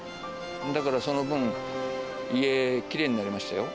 だからその分、家、きれいになりましたよ。